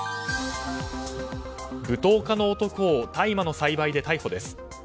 舞踏家の男を大麻の栽培で逮捕です。